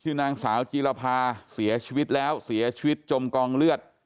นางสาวจีรภาเสียชีวิตแล้วเสียชีวิตจมกองเลือด